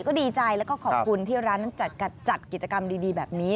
ก็ดีใจแล้วก็ขอบคุณที่ร้านนั้นจัดกิจกรรมดีแบบนี้